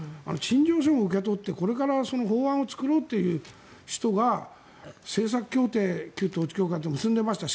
陳情書を受け取ってこれから法案を作ろうという人が政策協定、旧統一教会と結んでいました。